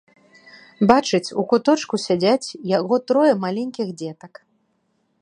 бачыць, у куточку сядзяць яго трое маленькiх дзетак...